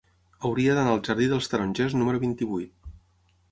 Hauria d'anar al jardí dels Tarongers número vint-i-vuit.